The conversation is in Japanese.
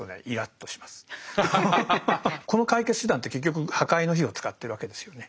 この解決手段って結局破壊の火を使ってるわけですよね。